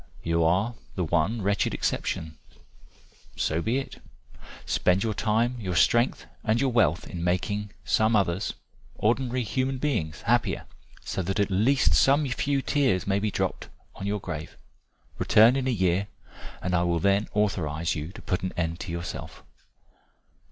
You are the one wretched exception so be it. Spend your time, your strength and your wealth in making some others ordinary human beings happier, so that at least some few tears may be dropped on your grave. Return in a year, and I will then authorize you to put an end to yourself."